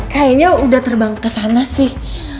oh kayaknya udah terbang kesana sih